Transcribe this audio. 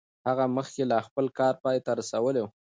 هغه مخکې لا خپل کار پای ته رسولی و.